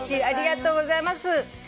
ありがとうございます。